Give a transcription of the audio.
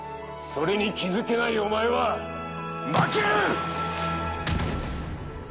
それに気付けないお前は負ける！